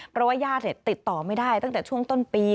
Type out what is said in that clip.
เพราะว่าญาติติดต่อไม่ได้ตั้งแต่ช่วงต้นปี